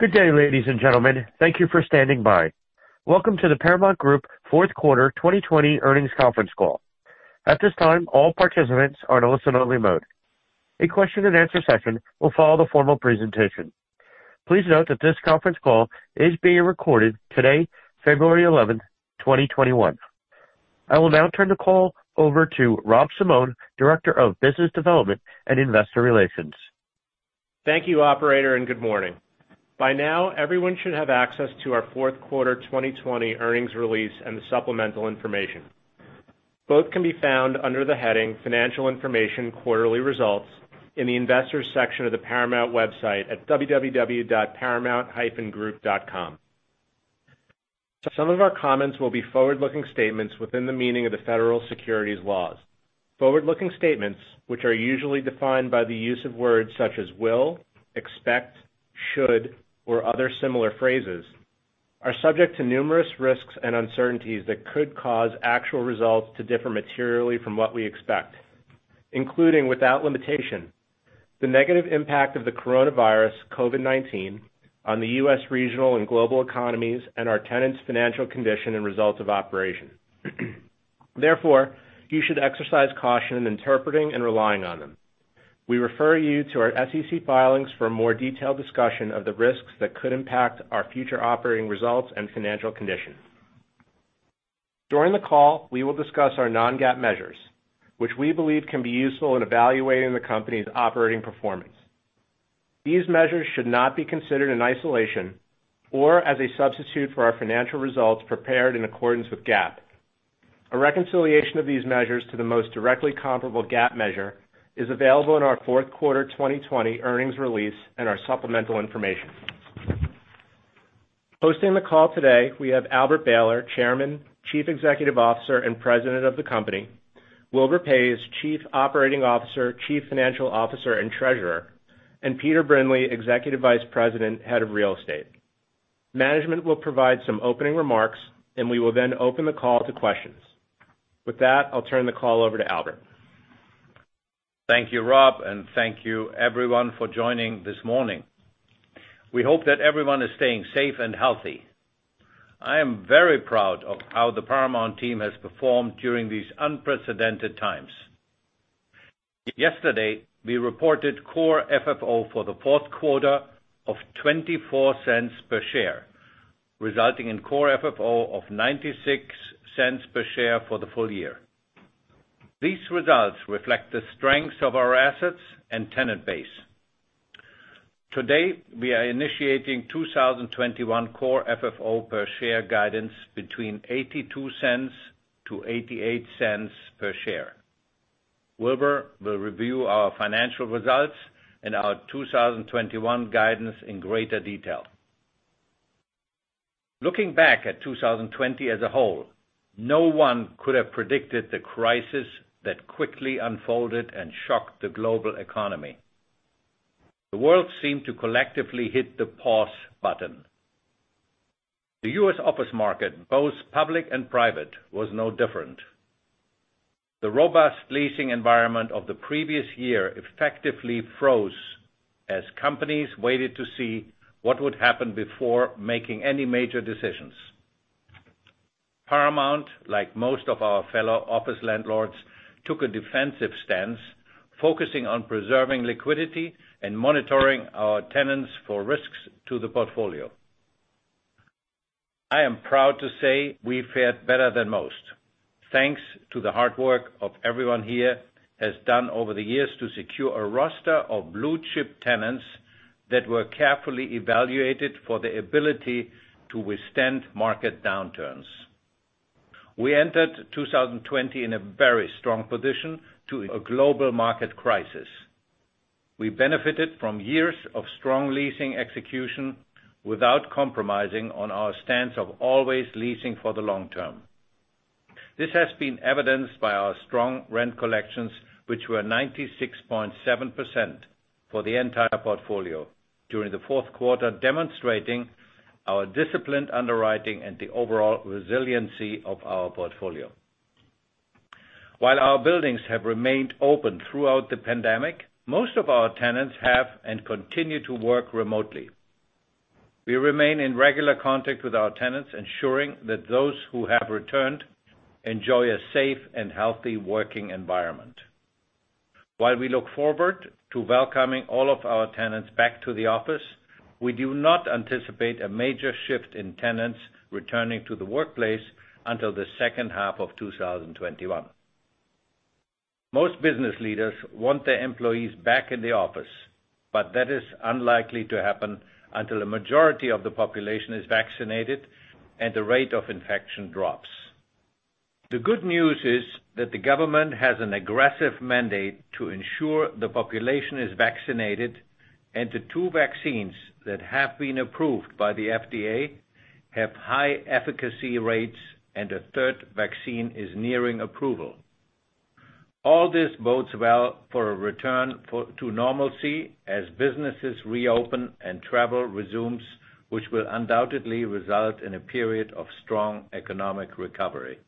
Good day, ladies and gentlemen. Thank you for standing by. Welcome to the Paramount Group Fourth Quarter 2020 Earnings Conference Call. At this time, all participants are in listen-only mode. A question and answer session will follow the formal presentation. Please note that this conference call is being recorded today, February 11th, 2021. I will now turn the call over to Robert Simone, Director of Business Development and Investor Relations. Thank you operator and good morning. By now, everyone should have access to our fourth quarter 2020 earnings release and the supplemental information. Both can be found under the heading Financial Information Quarterly Results in the Investors section of the Paramount website at www.paramount-group.com. Some of our comments will be forward-looking statements within the meaning of the Federal Securities laws. Forward-looking statements, which are usually defined by the use of words such as will, expect, should, or other similar phrases, are subject to numerous risks and uncertainties that could cause actual results to differ materially from what we expect, including without limitation, the negative impact of the coronavirus COVID-19 on the U.S. regional and global economies and our tenants' financial condition and results of operation. Therefore, you should exercise caution in interpreting and relying on them. We refer you to our SEC filings for a more detailed discussion of the risks that could impact our future operating results and financial condition. During the call, we will discuss our non-GAAP measures, which we believe can be useful in evaluating the company's operating performance. These measures should not be considered in isolation or as a substitute for our financial results prepared in accordance with GAAP. A reconciliation of these measures to the most directly comparable GAAP measure is available in our fourth quarter 2020 earnings release and our supplemental information. Hosting the call today, we have Albert Behler, Chairman, Chief Executive Officer, and President of the company, Wilbur Paes, Chief Operating Officer, Chief Financial Officer, and Treasurer, and Peter Brindley, Executive Vice President, Head of Real Estate. Management will provide some opening remarks, and we will then open the call to questions. With that, I'll turn the call over to Albert. Thank you, Rob, and thank you everyone for joining this morning. We hope that everyone is staying safe and healthy. I am very proud of how the Paramount team has performed during these unprecedented times. Yesterday, we reported Core FFO for the fourth quarter of $0.24 per share, resulting in Core FFO of $0.96 per share for the full year. Today, we are initiating 2021 Core FFO per share guidance between $0.82-$0.88 per share. Wilbur will review our financial results and our 2021 guidance in greater detail. Looking back at 2020 as a whole, no one could have predicted the crisis that quickly unfolded and shocked the global economy. The world seemed to collectively hit the pause button. The U.S. office market, both public and private, was no different. The robust leasing environment of the previous year effectively froze as companies waited to see what would happen before making any major decisions. Paramount, like most of our fellow office landlords, took a defensive stance, focusing on preserving liquidity and monitoring our tenants for risks to the portfolio. I am proud to say we fared better than most. Thanks to the hard work of everyone here has done over the years to secure a roster of blue-chip tenants that were carefully evaluated for the ability to withstand market downturns. We entered 2020 in a very strong position to a global market crisis. We benefited from years of strong leasing execution without compromising on our stance of always leasing for the long term. This has been evidenced by our strong rent collections, which were 96.7% for the entire portfolio during the fourth quarter, demonstrating our disciplined underwriting and the overall resiliency of our portfolio. While our buildings have remained open throughout the pandemic, most of our tenants have and continue to work remotely. We remain in regular contact with our tenants, ensuring that those who have returned enjoy a safe and healthy working environment. While we look forward to welcoming all of our tenants back to the office, we do not anticipate a major shift in tenants returning to the workplace until the second half of 2021. Most business leaders want their employees back in the office, but that is unlikely to happen until the majority of the population is vaccinated and the rate of infection drops. The good news is that the government has an aggressive mandate to ensure the population is vaccinated, and the two vaccines that have been approved by the FDA have high efficacy rates, and a third vaccine is nearing approval. All this bodes well for a return to normalcy as businesses reopen and travel resumes, which will undoubtedly result in a period of strong economic recovery.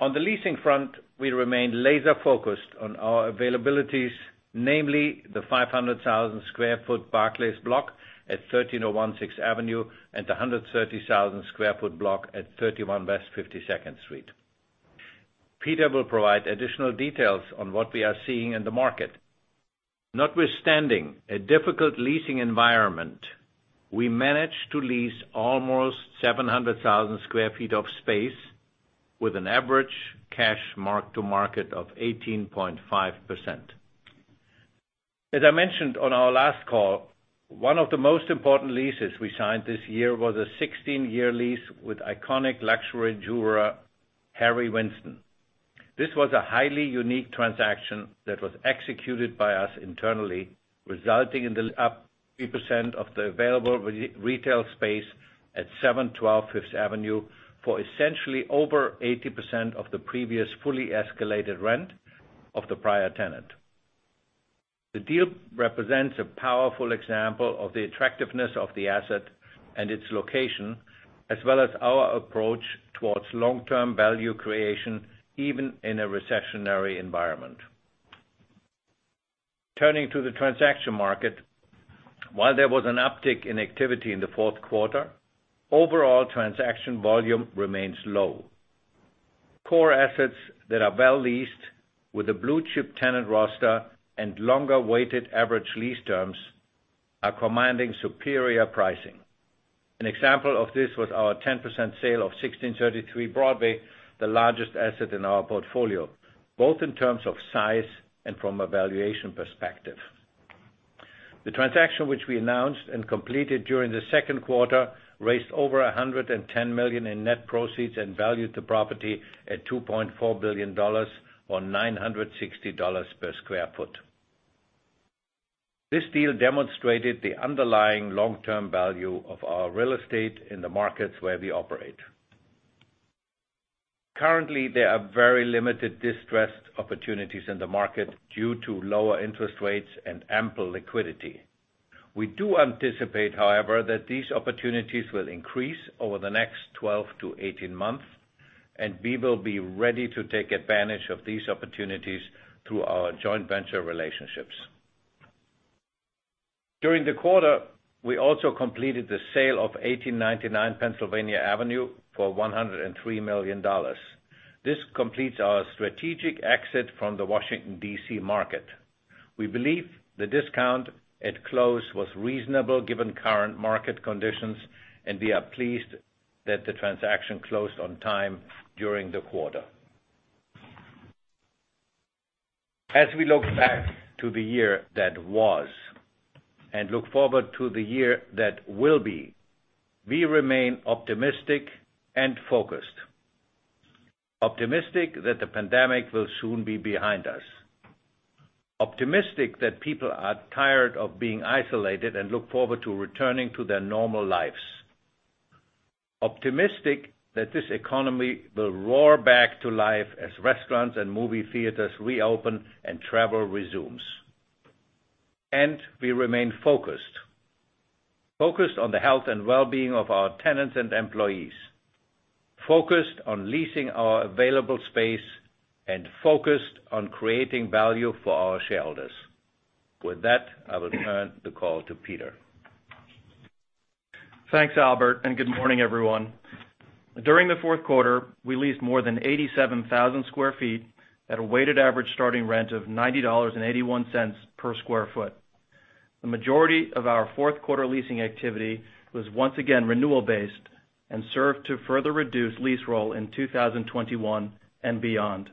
On the leasing front, we remain laser focused on our availabilities, namely the 500,000 sq ft Barclays block at 1301 Sixth Avenue and the 130,000 sq ft block at 31 West 52nd Street. Peter will provide additional details on what we are seeing in the market. Notwithstanding a difficult leasing environment, we managed to lease almost 700,000 sq ft of space with an average cash mark-to-market of 18.5%. As I mentioned on our last call, one of the most important leases we signed this year was a 16-year lease with iconic luxury jeweler Harry Winston. This was a highly unique transaction that was executed by us internally, resulting in [the percent] of the available retail space at 712 Fifth Avenue for essentially over 80% of the previous fully escalated rent of the prior tenant. The deal represents a powerful example of the attractiveness of the asset and its location, as well as our approach towards long-term value creation, even in a recessionary environment. Turning to the transaction market, while there was an uptick in activity in the fourth quarter, overall transaction volume remains low. Core assets that are well leased with a blue chip tenant roster and longer weighted average lease terms are commanding superior pricing. An example of this was our 10% sale of 1633 Broadway, the largest asset in our portfolio, both in terms of size and from a valuation perspective. The transaction, which we announced and completed during the second quarter, raised over $110 million in net proceeds and valued the property at $2.4 billion or $960 per sq ft. This deal demonstrated the underlying long-term value of our real estate in the markets where we operate. Currently, there are very limited distressed opportunities in the market due to lower interest rates and ample liquidity. We do anticipate, however, that these opportunities will increase over the next 12-18 months, and we will be ready to take advantage of these opportunities through our joint venture relationships. During the quarter, we also completed the sale of 1899 Pennsylvania Avenue for $103 million. This completes our strategic exit from the Washington, D.C. market. We believe the discount at close was reasonable given current market conditions, and we are pleased that the transaction closed on time during the quarter. As we look back to the year that was and look forward to the year that will be, we remain optimistic and focused. Optimistic that the pandemic will soon be behind us. Optimistic that people are tired of being isolated and look forward to returning to their normal lives. Optimistic that this economy will roar back to life as restaurants and movie theaters reopen and travel resumes. We remain focused. Focused on the health and well-being of our tenants and employees. Focused on leasing our available space and focused on creating value for our shareholders. With that, I will turn the call to Peter. Thanks, Albert, and good morning, everyone. During the fourth quarter, we leased more than 87,000 sq ft at a weighted average starting rent of $90.81 per square foot. The majority of our fourth quarter leasing activity was once again renewal-based and served to further reduce lease roll in 2021 and beyond.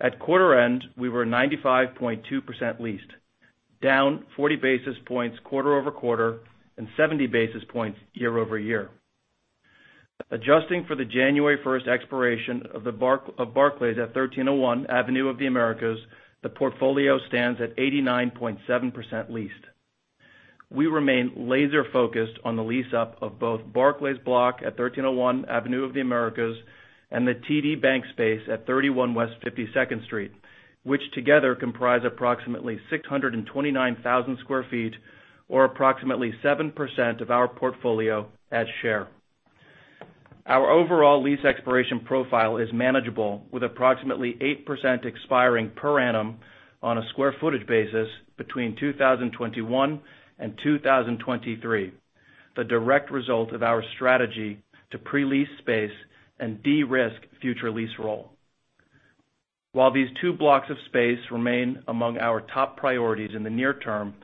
At quarter end, we were 95.2% leased, down 40 basis points quarter-over-quarter and 70 basis points year-over-year. Adjusting for the January 1st expiration of Barclays at 1301 Avenue of the Americas, the portfolio stands at 89.7% leased. We remain laser focused on the lease-up of both Barclays block at 1301 Avenue of the Americas and the TD Bank space at 31 West 52nd Street, which together comprise approximately 629,000 sq ft or approximately 7% of our portfolio as share. Our overall lease expiration profile is manageable, with approximately 8% expiring per annum on a square footage basis between 2021 and 2023, the direct result of our strategy to pre-lease space and de-risk future lease roll. While these two blocks of space remain among our top priorities in the near term,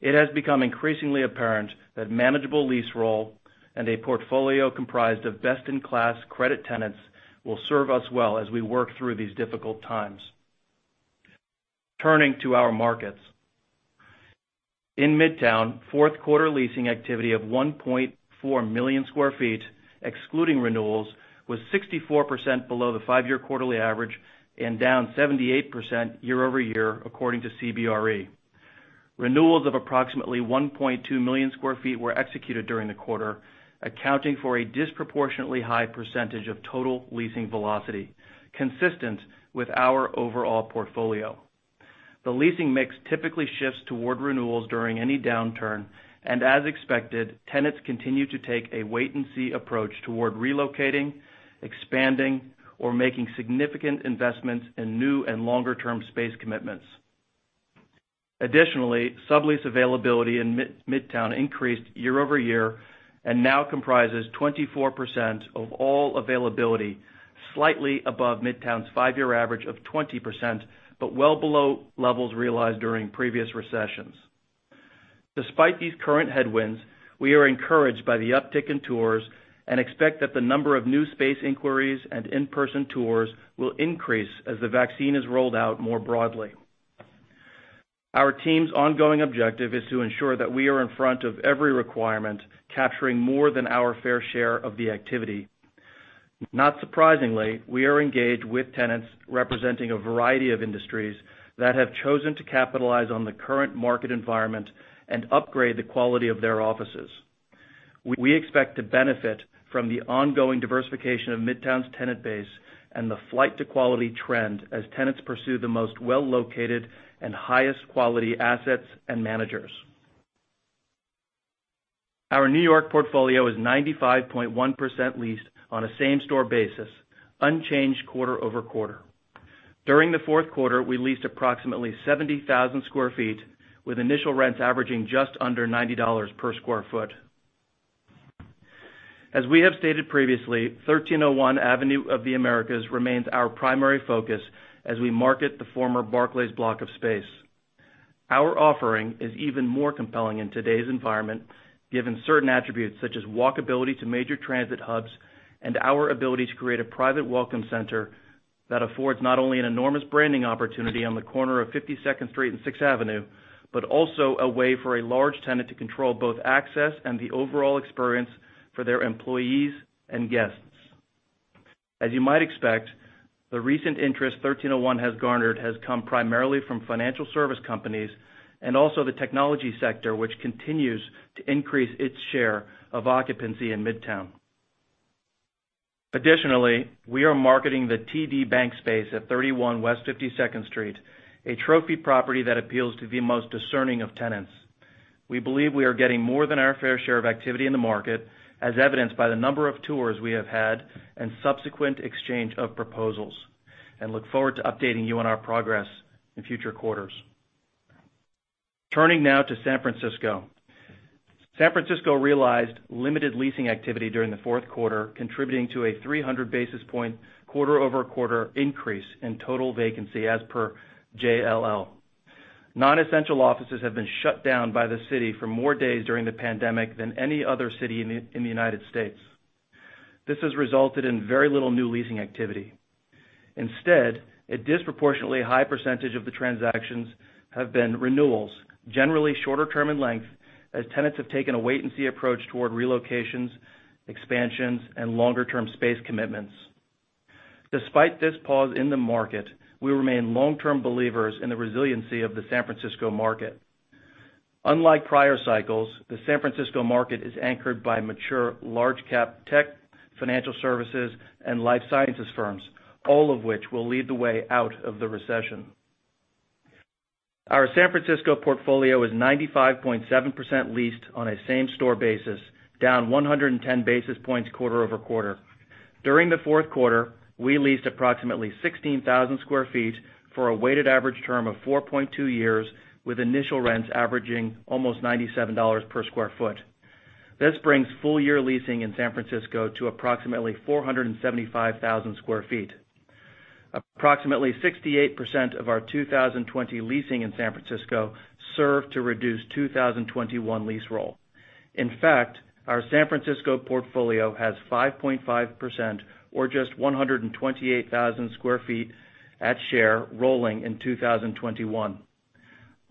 it has become increasingly apparent that manageable lease roll and a portfolio comprised of best-in-class credit tenants will serve us well as we work through these difficult times. Turning to our markets. In Midtown, fourth quarter leasing activity of 1.4 million square feet, excluding renewals, was 64% below the five-year quarterly average and down 78% year-over-year, according to CBRE. Renewals of approximately 1.2 million sq ft were executed during the quarter, accounting for a disproportionately high percentage of total leasing velocity, consistent with our overall portfolio. The leasing mix typically shifts toward renewals during any downturn, and as expected, tenants continue to take a wait and see approach toward relocating, expanding, or making significant investments in new and longer-term space commitments. Additionally, sublease availability in Midtown increased year-over-year and now comprises 24% of all availability, slightly above Midtown's five-year average of 20%, but well below levels realized during previous recessions. Despite these current headwinds, we are encouraged by the uptick in tours and expect that the number of new space inquiries and in-person tours will increase as the vaccine is rolled out more broadly. Our team's ongoing objective is to ensure that we are in front of every requirement, capturing more than our fair share of the activity. Not surprisingly, we are engaged with tenants representing a variety of industries that have chosen to capitalize on the current market environment and upgrade the quality of their offices. We expect to benefit from the ongoing diversification of Midtown's tenant base and the flight to quality trend as tenants pursue the most well-located and highest quality assets and managers. Our New York portfolio is 95.1% leased on a same-store basis, unchanged quarter-over-quarter. During the fourth quarter, we leased approximately 70,000 sq ft, with initial rents averaging just under $90 per square foot. As we have stated previously, 1301 Avenue of the Americas remains our primary focus as we market the former Barclays block of space. Our offering is even more compelling in today's environment, given certain attributes such as walkability to major transit hubs and our ability to create a private welcome center that affords not only an enormous branding opportunity on the corner of 52nd Street and Sixth Avenue, but also a way for a large tenant to control both access and the overall experience for their employees and guests. As you might expect, the recent interest 1301 has garnered has come primarily from financial service companies and also the technology sector, which continues to increase its share of occupancy in Midtown. Additionally, we are marketing the TD Bank space at 31 West 52nd Street, a trophy property that appeals to the most discerning of tenants. We believe we are getting more than our fair share of activity in the market, as evidenced by the number of tours we have had and subsequent exchange of proposals, and look forward to updating you on our progress in future quarters. Turning now to San Francisco. San Francisco realized limited leasing activity during the fourth quarter, contributing to a 300 basis points quarter-over-quarter increase in total vacancy, as per JLL. Non-essential offices have been shut down by the city for more days during the pandemic than any other city in the United States. This has resulted in very little new leasing activity. Instead, a disproportionately high percentage of the transactions have been renewals, generally shorter term in length, as tenants have taken a wait and see approach toward relocations, expansions, and longer-term space commitments. Despite this pause in the market, we remain long-term believers in the resiliency of the San Francisco market. Unlike prior cycles, the San Francisco market is anchored by mature, large cap tech, financial services, and life sciences firms, all of which will lead the way out of the recession. Our San Francisco portfolio is 95.7% leased on a same-store basis, down 110 basis points quarter-over-quarter. During the fourth quarter, we leased approximately 16,000 sq ft for a weighted average term of 4.2 years, with initial rents averaging almost $97 per square foot. This brings full year leasing in San Francisco to approximately 475,000 sq ft. Approximately 68% of our 2020 leasing in San Francisco served to reduce 2021 lease roll. In fact, our San Francisco portfolio has 5.5%, or just 128,000 sq ft at share rolling in 2021.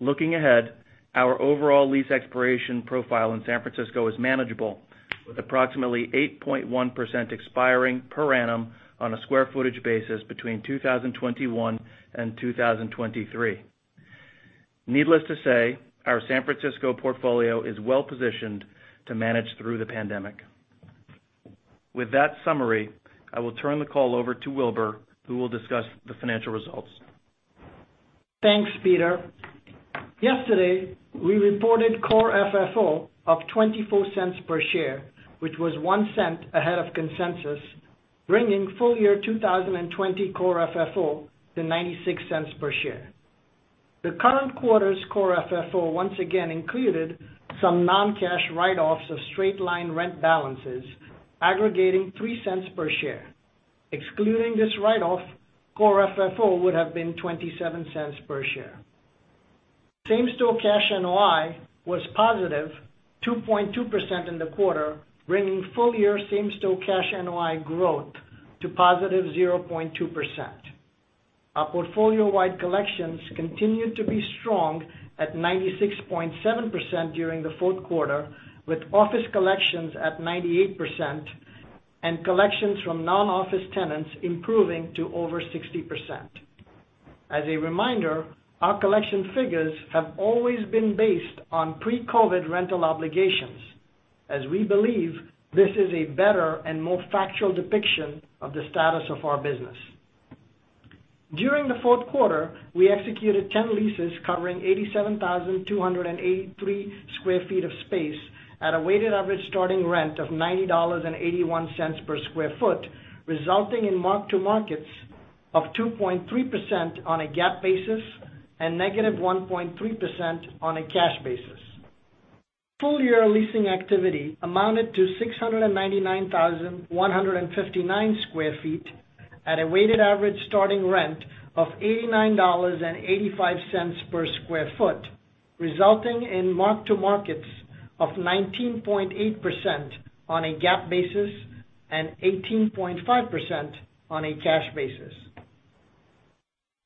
Looking ahead, our overall lease expiration profile in San Francisco is manageable, with approximately 8.1% expiring per annum on a square footage basis between 2021 and 2023. Needless to say, our San Francisco portfolio is well positioned to manage through the pandemic. With that summary, I will turn the call over to Wilbur, who will discuss the financial results. Thanks, Peter. Yesterday, we reported Core FFO of $0.24 per share, which was $0.01 ahead of consensus, bringing full year 2020 Core FFO to $0.96 per share. The current quarter's Core FFO once again included some non-cash write-offs of straight-line rent balances aggregating $0.03 per share. Excluding this write-off, Core FFO would have been $0.27 per share. Same Store Cash NOI was +2.2% in the quarter, bringing full-year Same Store Cash NOI growth to +0.2%. Our portfolio-wide collections continued to be strong at 96.7% during the fourth quarter, with office collections at 98% and collections from non-office tenants improving to over 60%. As a reminder, our collection figures have always been based on pre-COVID-19 rental obligations. As we believe this is a better and more factual depiction of the status of our business. During the fourth quarter, we executed 10 leases covering 87,283 sq ft of space at a weighted average starting rent of $90.81 per square foot, resulting in mark-to-markets of 2.3% on a GAAP basis and -1.3% on a cash basis. Full-year leasing activity amounted to 699,159 sq ft at a weighted average starting rent of $89.85 per square foot, resulting in mark-to-markets of 19.8% on a GAAP basis and 18.5% on a cash basis.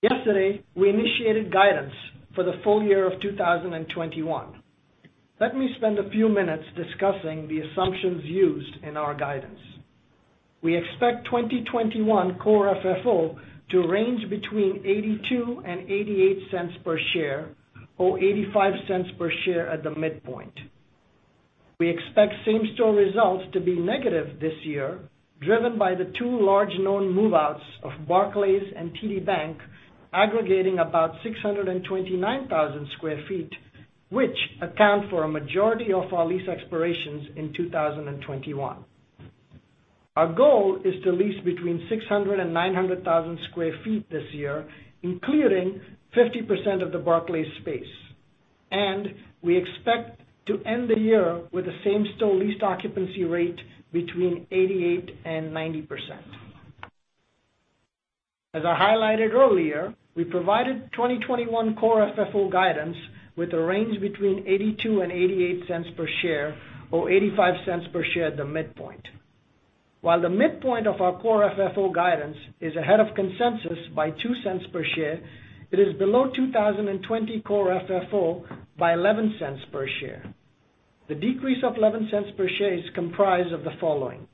Yesterday, we initiated guidance for the full year of 2021. Let me spend a few minutes discussing the assumptions used in our guidance. We expect 2021 Core FFO to range between $0.82 and $0.88 per share, or $0.85 per share at the midpoint. We expect same-store results to be negative this year, driven by the two large known move-outs of Barclays and TD Bank, aggregating about 629,000 sq ft, which account for a majority of our lease expirations in 2021. Our goal is to lease between 600,000 sq ft and 900,000 sq ft this year, including 50% of the Barclays space. We expect to end the year with the same-store lease occupancy rate between 88% and 90%. As I highlighted earlier, we provided 2021 core FFO guidance with a range between $0.82 and $0.88 per share, or $0.85 per share at the midpoint. While the midpoint of our core FFO guidance is ahead of consensus by $0.02 per share, it is below 2020 core FFO by $0.11 per share. The decrease of $0.11 per share is comprised of the following.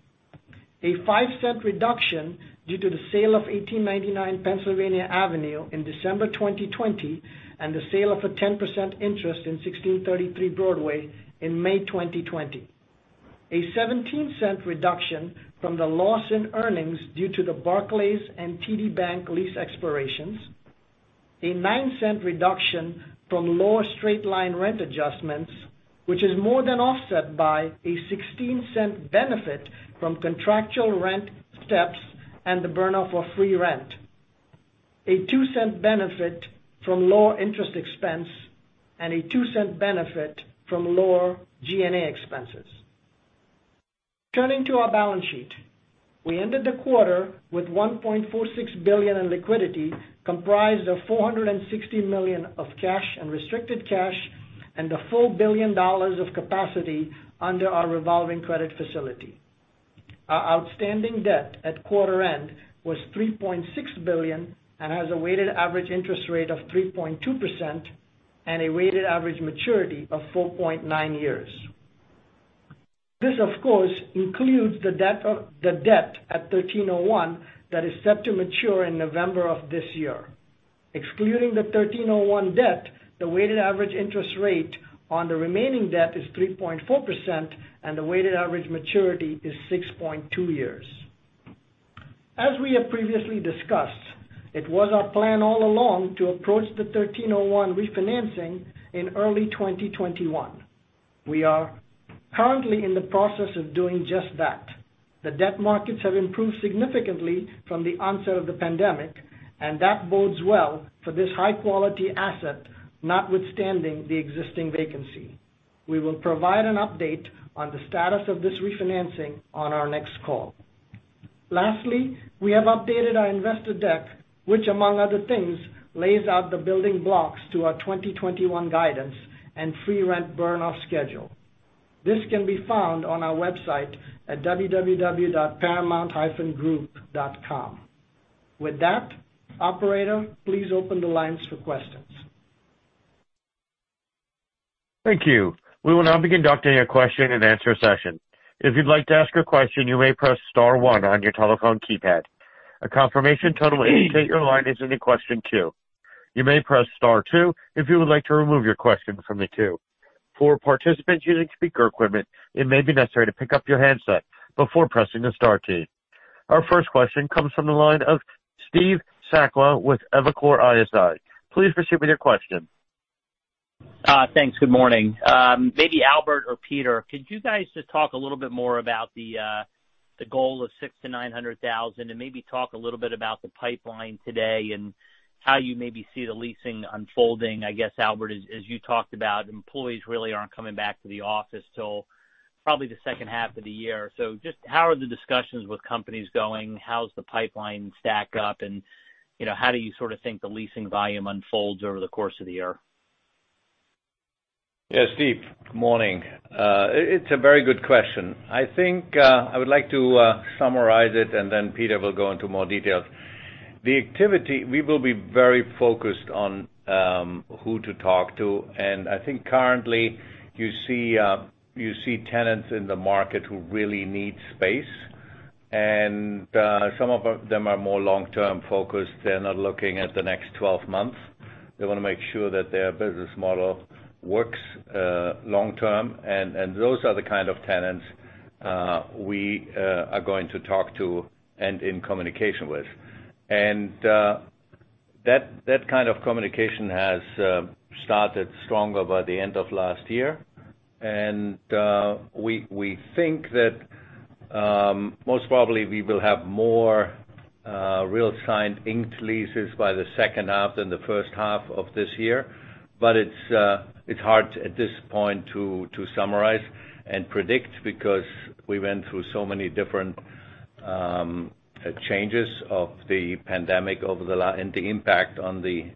A $0.05 reduction due to the sale of 1899 Pennsylvania Avenue in December 2020 and the sale of a 10% interest in 1633 Broadway in May 2020. A $0.17 reduction from the loss in earnings due to the Barclays and TD Bank lease expirations. A $0.09 reduction from lower straight-line rent adjustments, which is more than offset by a $0.16 benefit from contractual rent steps and the burn-off of free rent. A $0.02 benefit from lower interest expense, and a $0.02 benefit from lower G&A expenses. Turning to our balance sheet, we ended the quarter with $1.46 billion in liquidity, comprised of $460 million of cash and restricted cash and a $1 billion of capacity under our revolving credit facility. Our outstanding debt at quarter end was $3.6 billion and has a weighted average interest rate of 3.2% and a weighted average maturity of 4.9 years. This, of course, includes the debt at 1301 that is set to mature in November of this year. Excluding the 1301 debt, the weighted average interest rate on the remaining debt is 3.4%, and the weighted average maturity is 6.2 years. As we have previously discussed, it was our plan all along to approach the 1301 refinancing in early 2021. We are currently in the process of doing just that. That bodes well for this high-quality asset, notwithstanding the existing vacancy. We will provide an update on the status of this refinancing on our next call. We have updated our investor deck, which among other things, lays out the building blocks to our 2021 guidance and free rent burn-off schedule. This can be found on our website at www.paramount-group.com. With that, operator, please open the lines for questions. Thank you. We will now be conducting a question and answer session. If you'd like to ask a question, you may press star one on your telephone keypad. A confirmation tone will indicate your line is in the question queue. You may press star two if you would like to remove your question from the queue. For participants using speaker equipment, it may be necessary to pick up your handset before pressing the star key. Our first question comes from the line of Steve Sakwa with Evercore ISI. Please proceed with your question. Thanks. Good morning. Maybe Albert or Peter, could you guys just talk a little bit more about the goal of 600,000 sq ft-900,000 sq ft, and maybe talk a little bit about the pipeline today and how you maybe see the leasing unfolding? I guess, Albert, as you talked about, employees really aren't coming back to the office till probably the second half of the year. Just how are the discussions with companies going? How's the pipeline stack up? How do you sort of think the leasing volume unfolds over the course of the year? Yes, Steve, good morning. It's a very good question. I think I would like to summarize it, then Peter will go into more details. The activity, we will be very focused on who to talk to. I think currently you see tenants in the market who really need space Some of them are more long-term focused. They're not looking at the next 12 months. They want to make sure that their business model works long-term, those are the kind of tenants we are going to talk to and in communication with. That kind of communication has started stronger by the end of last year. We think that most probably we will have more real signed inked leases by the second half than the first half of this year. It's hard at this point to summarize and predict, because we went through so many different changes of the pandemic and the impact on the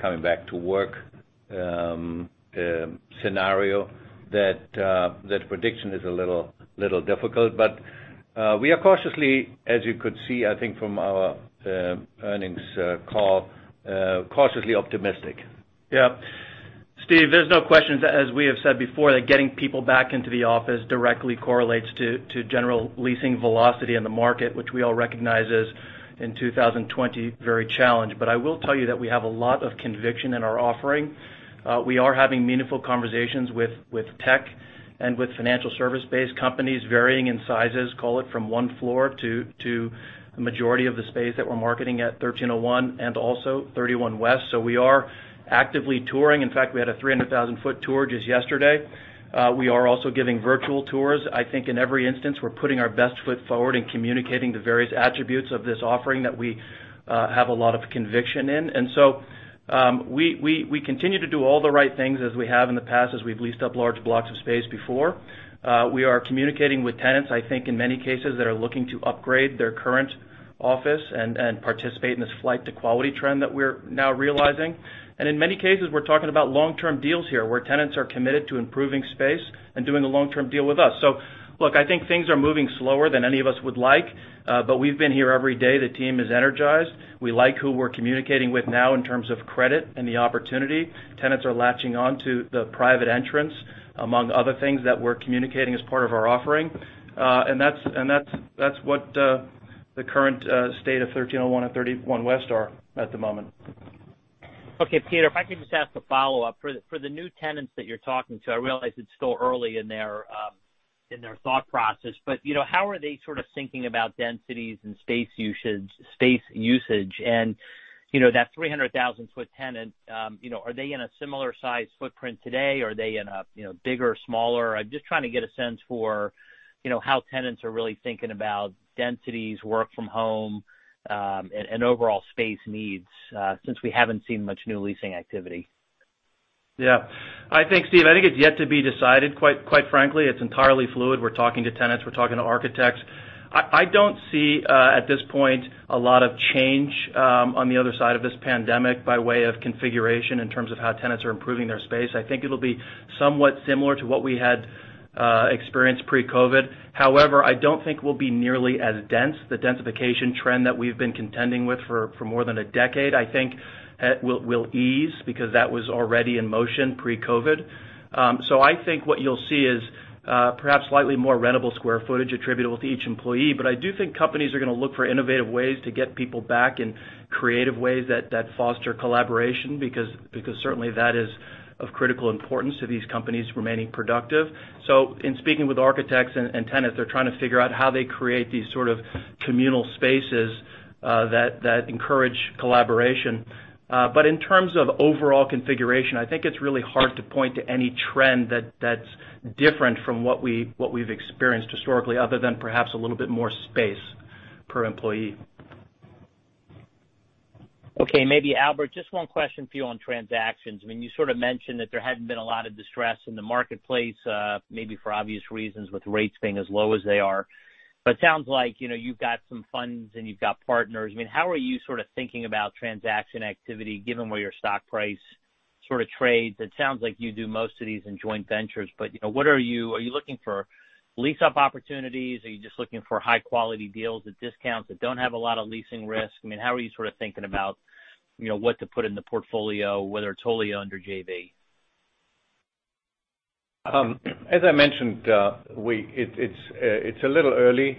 coming back to work scenario, that prediction is a little difficult. We are cautiously, as you could see, I think from our earnings call, cautiously optimistic. Yeah. Steve, there's no question that as we have said before, that getting people back into the office directly correlates to general leasing velocity in the market, which we all recognize as, in 2020, very challenged. I will tell you that we have a lot of conviction in our offering. We are having meaningful conversations with tech and with financial service-based companies varying in sizes, call it from one floor to the majority of the space that we're marketing at 1301 and also 31 West. We are actively touring. In fact, we had a 300,000 sq ft tour just yesterday. We are also giving virtual tours. I think in every instance, we're putting our best foot forward in communicating the various attributes of this offering that we have a lot of conviction in. We continue to do all the right things as we have in the past, as we've leased up large blocks of space before. We are communicating with tenants, I think, in many cases that are looking to upgrade their current office and participate in this flight to quality trend that we're now realizing. In many cases, we're talking about long-term deals here, where tenants are committed to improving space and doing a long-term deal with us. Look, I think things are moving slower than any of us would like. We've been here every day. The team is energized. We like who we're communicating with now in terms of credit and the opportunity. Tenants are latching onto the private entrance, among other things that we're communicating as part of our offering. That's what the current state of 1301 and 31 West are at the moment. Okay, Peter, if I could just ask a follow-up. For the new tenants that you're talking to, I realize it's still early in their thought process, but how are they sort of thinking about densities and space usage? That 300,000 sq ft tenant, are they in a similar size footprint today? Are they in a bigger or smaller? I'm just trying to get a sense for how tenants are really thinking about densities, work from home, and overall space needs, since we haven't seen much new leasing activity. Yeah. I think, Steve, I think it's yet to be decided, quite frankly. It's entirely fluid. We're talking to tenants. We're talking to architects. I don't see at this point a lot of change on the other side of this pandemic by way of configuration in terms of how tenants are improving their space. I think it'll be somewhat similar to what we had experienced pre-COVID. However, I don't think we'll be nearly as dense. The densification trend that we've been contending with for more than a decade, I think, will ease because that was already in motion pre-COVID. I think what you'll see is perhaps slightly more rentable square footage attributable to each employee. I do think companies are going to look for innovative ways to get people back in creative ways that foster collaboration, because certainly that is of critical importance to these companies remaining productive. In speaking with architects and tenants, they're trying to figure out how they create these sort of communal spaces that encourage collaboration. In terms of overall configuration, I think it's really hard to point to any trend that's different from what we've experienced historically, other than perhaps a little bit more space per employee. Okay, maybe Albert, just one question for you on transactions. You sort of mentioned that there hadn't been a lot of distress in the marketplace, maybe for obvious reasons, with rates being as low as they are. It sounds like you've got some funds and you've got partners. How are you sort of thinking about transaction activity, given where your stock price sort of trades? It sounds like you do most of these in joint ventures, but are you looking for lease-up opportunities? Are you just looking for high-quality deals at discounts that don't have a lot of leasing risk? How are you sort of thinking about what to put in the portfolio, whether it's wholly owned or JV? As I mentioned, it's a little early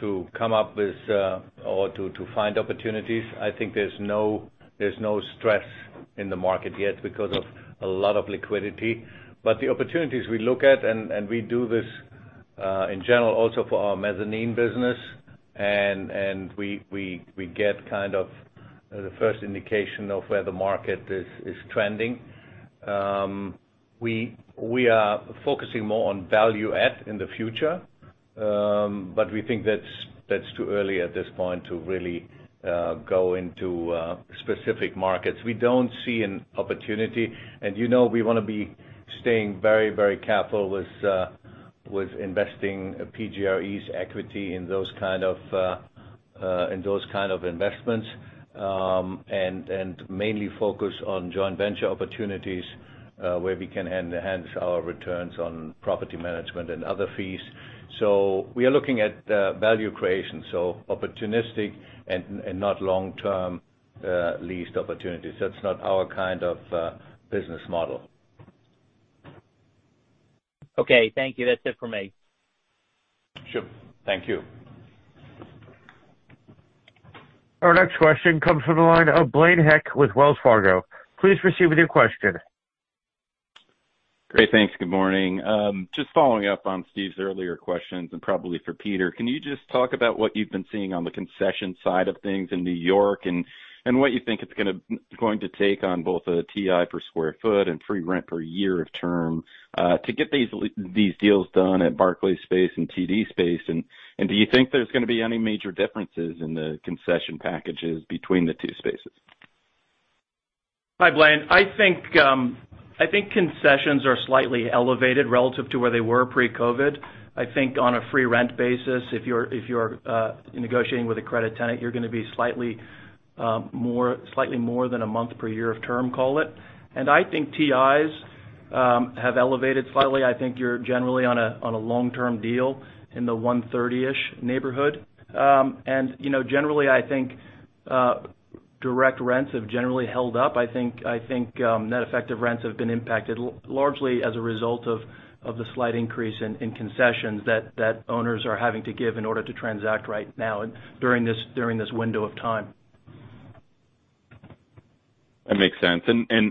to come up with or to find opportunities. I think there's no stress in the market yet because of a lot of liquidity. The opportunities we look at, and we do this in general also for our mezzanine business, and we get kind of the first indication of where the market is trending. We are focusing more on value add in the future, but we think that's too early at this point to really go into specific markets. We don't see an opportunity. You know we want to be staying very careful with investing PGRE's equity in those kind of investments, and mainly focus on joint venture opportunities, where we can enhance our returns on property management and other fees. We are looking at value creation, so opportunistic and not long-term leased opportunities. That's not our kind of business model. Okay, thank you. That's it for me. Sure. Thank you. Our next question comes from the line of Blaine Heck with Wells Fargo. Please proceed with your question. Great. Thanks. Good morning. Just following up on Steve's earlier questions, and probably for Peter, can you just talk about what you've been seeing on the concession side of things in New York and what you think it's going to take on both a TI per square foot and free rent per one year of term, to get these deals done at Barclays Space and TD Space? Do you think there's going to be any major differences in the concession packages between the two spaces? Hi, Blaine. I think concessions are slightly elevated relative to where they were pre-COVID. I think on a free rent basis, if you're negotiating with a credit tenant, you're going to be slightly more than one month per year of term call it. I think TIs have elevated slightly. I think you're generally on a long-term deal in the 130-ish neighborhood. Generally, I think, direct rents have generally held up. I think, net effective rents have been impacted largely as a result of the slight increase in concessions that owners are having to give in order to transact right now during this window of time. That makes sense.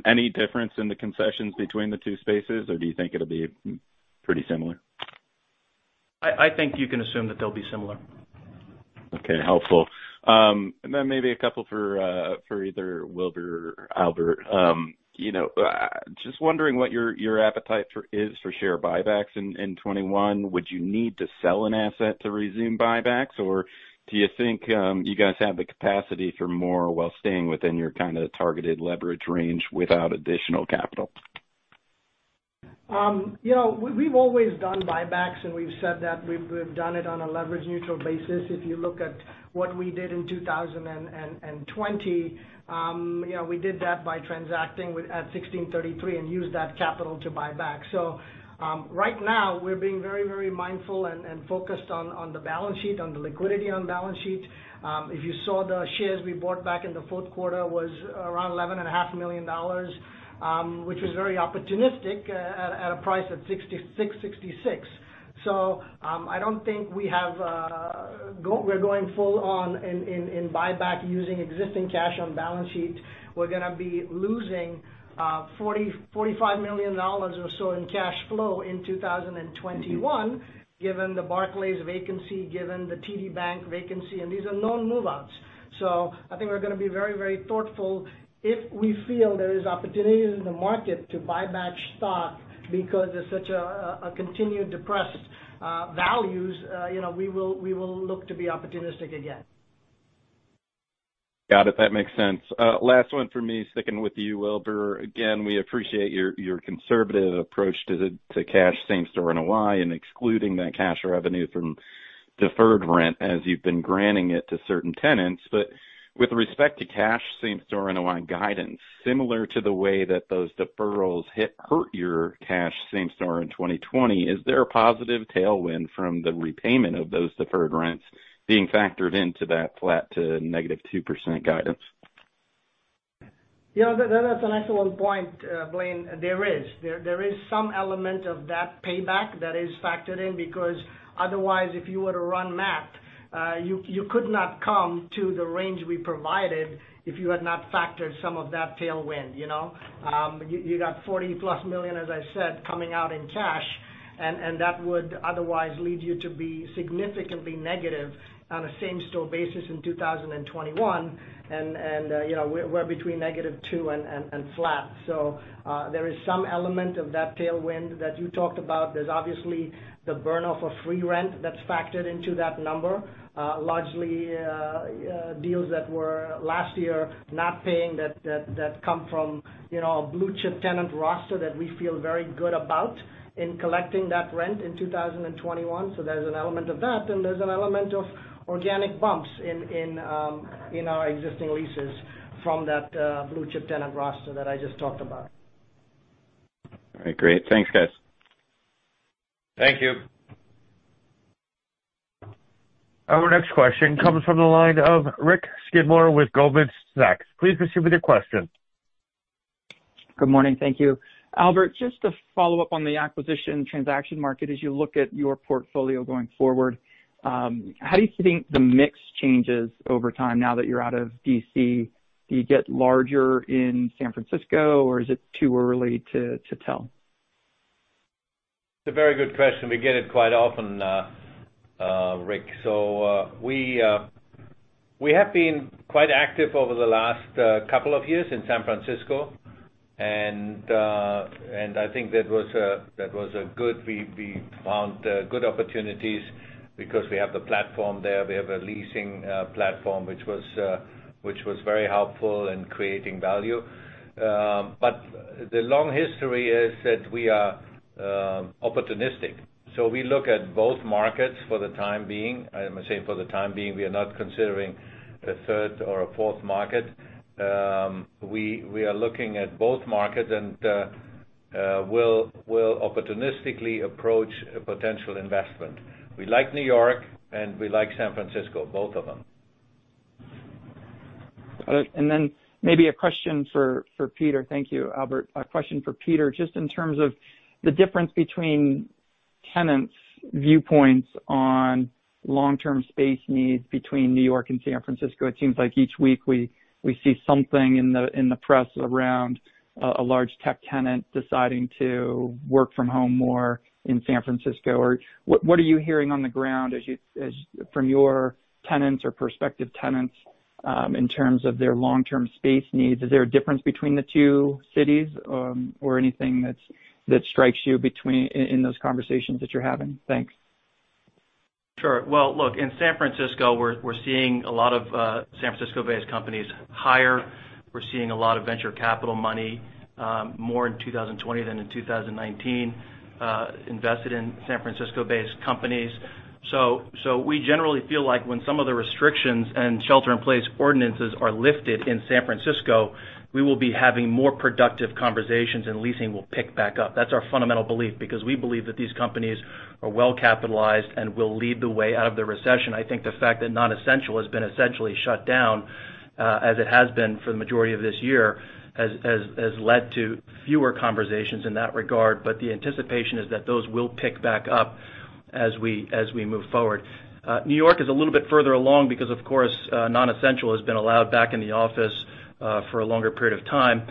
Any difference in the concessions between the two spaces, or do you think it'll be pretty similar? I think you can assume that they'll be similar. Okay. Helpful. Then maybe a couple for either Wilbur or Albert. Just wondering what your appetite is for share buybacks in 2021. Would you need to sell an asset to resume buybacks, or do you think you guys have the capacity for more while staying within your kind of targeted leverage range without additional capital? We've always done buybacks, we've said that we've done it on a leverage-neutral basis. If you look at what we did in 2020, we did that by transacting at 1633 and used that capital to buy back. Right now we're being very mindful and focused on the balance sheet, on the liquidity on the balance sheet. If you saw the shares we bought back in the fourth quarter was around $11.5 million, which was very opportunistic at a price of $66.66. I don't think we're going full on in buyback using existing cash on the balance sheet. We're going to be losing $45 million or so in cash flow in 2021, given the Barclays vacancy, given the TD Bank vacancy, and these are known move-outs. I think we're going to be very thoughtful if we feel there is opportunities in the market to buy back stock because there's such a continued depressed values, we will look to be opportunistic again. Got it. That makes sense. Last one for me, sticking with you, Wilbur. Again, we appreciate your conservative approach to Same Store Cash NOI and excluding that cash revenue from deferred rent as you've been granting it to certain tenants. With respect to Same Store Cash NOI guidance, similar to the way that those deferrals hurt your cash same store in 2020, is there a positive tailwind from the repayment of those deferred rents being factored into that flat to negative 2% guidance? Yeah. That's an excellent point, Blaine. There is. There is some element of that payback that is factored in, because otherwise, if you were to run math, you could not come to the range we provided if you had not factored some of that tailwind. You got $40+ million, as I said, coming out in cash, and that would otherwise lead you to be significantly negative on a same-store basis in 2021. We're between -2 and flat. There is some element of that tailwind that you talked about. There's obviously the burn-off of free rent that's factored into that number. Largely, deals that were last year not paying that come from a blue-chip tenant roster that we feel very good about in collecting that rent in 2021. There's an element of that, and there's an element of organic bumps in our existing leases from that blue-chip tenant roster that I just talked about. All right. Great. Thanks, guys. Thank you. Our next question comes from the line of Richard Skidmore with Goldman Sachs. Please proceed with your question. Good morning. Thank you. Albert, just to follow up on the acquisition transaction market, as you look at your portfolio going forward, how do you think the mix changes over time now that you're out of D.C.? Do you get larger in San Francisco, or is it too early to tell? It's a very good question. We get it quite often, Rick. We have been quite active over the last couple of years in San Francisco. I think that was good. We found good opportunities because we have the platform there. We have a leasing platform, which was very helpful in creating value. The long history is that we are opportunistic. We look at both markets for the time being. I say for the time being, we are not considering a third or a fourth market. We are looking at both markets, and we'll opportunistically approach a potential investment. We like New York and we like San Francisco, both of them. Got it. Maybe a question for Peter. Thank you, Albert. A question for Peter, just in terms of the difference between tenants' viewpoints on long-term space needs between New York and San Francisco. It seems like each week we see something in the press around a large tech tenant deciding to work from home more in San Francisco. What are you hearing on the ground from your tenants or prospective tenants, in terms of their long-term space needs? Is there a difference between the two cities or anything that strikes you in those conversations that you're having? Thanks. Sure. Well, look, in San Francisco, we're seeing a lot of San Francisco-based companies hire. We're seeing a lot of venture capital money, more in 2020 than in 2019, invested in San Francisco-based companies. We generally feel like when some of the restrictions and shelter-in-place ordinances are lifted in San Francisco, we will be having more productive conversations and leasing will pick back up. That's our fundamental belief, because we believe that these companies are well-capitalized and will lead the way out of the recession. I think the fact that non-essential has been essentially shut down, as it has been for the majority of this year, has led to fewer conversations in that regard. The anticipation is that those will pick back up as we move forward. New York is a little bit further along because, of course, non-essential has been allowed back in the office for a longer period of time.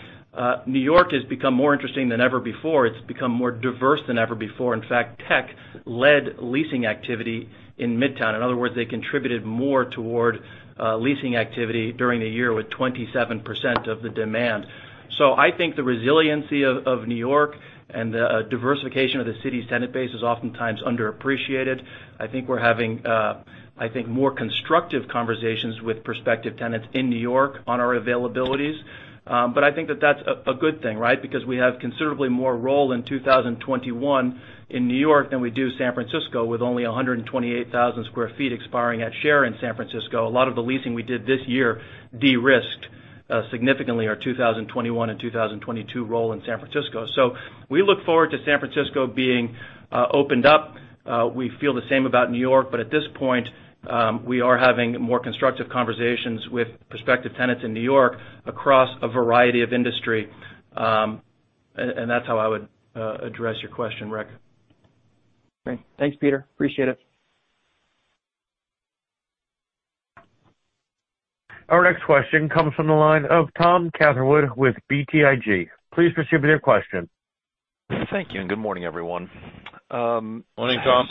New York has become more interesting than ever before. It's become more diverse than ever before. In fact, tech led leasing activity in Midtown. In other words, they contributed more toward leasing activity during the year, with 27% of the demand. I think the resiliency of New York and the diversification of the city's tenant base is oftentimes underappreciated. I think we're having more constructive conversations with prospective tenants in New York on our availabilities. I think that that's a good thing, right? Because we have considerably more roll in 2021 in New York than we do San Francisco, with only 128,000 sq ft expiring at share in San Francisco. A lot of the leasing we did this year de-risked, significantly, our 2021 and 2022 roll in San Francisco. We look forward to San Francisco being opened up. We feel the same about New York, at this point, we are having more constructive conversations with prospective tenants in New York across a variety of industry. That's how I would address your question, Rick. Great. Thanks, Peter. Appreciate it. Our next question comes from the line of Thomas Catherwood with BTIG. Please proceed with your question. Thank you, and good morning, everyone. Morning, Tom.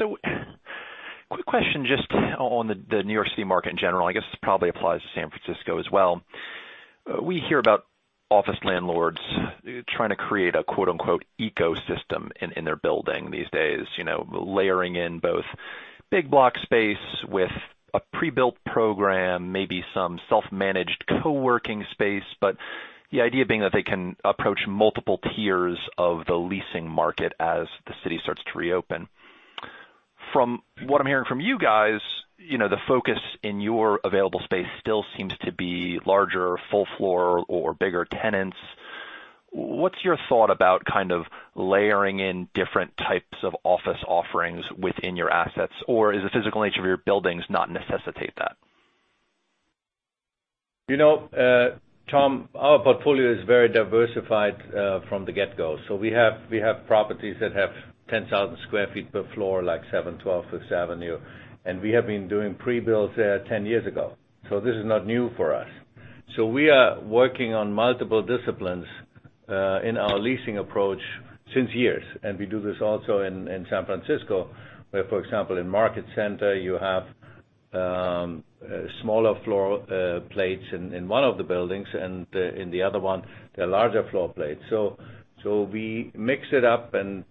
Quick question just on the New York City market in general. I guess this probably applies to San Francisco as well. We hear about office landlords trying to create a quote, unquote, "ecosystem" in their building these days. Layering in both big block space with a pre-built program, maybe some self-managed co-working space. The idea being that they can approach multiple tiers of the leasing market as the city starts to reopen. From what I'm hearing from you guys, the focus in your available space still seems to be larger, full floor, or bigger tenants. What's your thought about kind of layering in different types of office offerings within your assets? Or does the physical nature of your buildings not necessitate that? Tom, our portfolio is very diversified, from the get-go. We have properties that have 10,000 sq ft per floor, like 712 Fifth Avenue, and we have been doing pre-builds there 10 years ago, so this is not new for us. We are working on multiple disciplines in our leasing approach since years, and we do this also in San Francisco, where, for example, in Market Center, you have smaller floor plates in one of the buildings, and in the other one, they're larger floor plates. We mix it up and